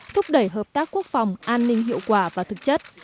thúc đẩy hợp tác quốc phòng an ninh hiệu quả và thực chất